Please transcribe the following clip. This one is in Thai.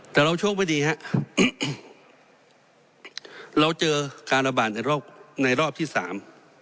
แต่เราโชคไม่ดีฮะเราเจอการระบาดในรอบในรอบที่สาม